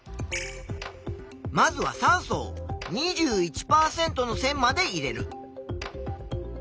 まずは酸素を２１％の線まで入れる。